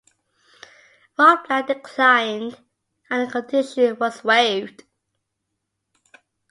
Rotblat declined, and the condition was waived.